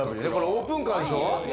オープンカーでしょ。